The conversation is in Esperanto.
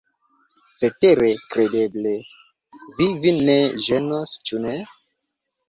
Cetere, kredeble, vi vin ne ĝenos, ĉu ne?